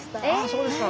そうですね。